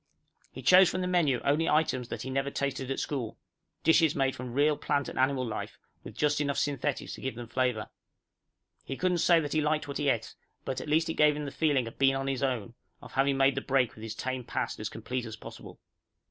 He chose from the menu only items that he never tasted at school dishes made from real plant and animal life, with just enough synthetics to give them flavor. He couldn't say that he liked what he ate, but at least it gave him the feeling of being on his own, of having made the break with his tame past as complete as possible.